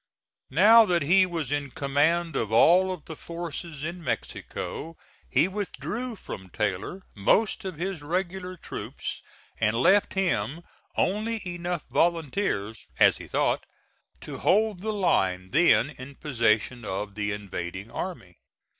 Now that he was in command of all the forces in Mexico, he withdrew from Taylor most of his regular troops and left him only enough volunteers, as he thought, to hold the line then in possession of the invading army.